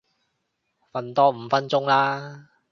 瞓多五分鐘啦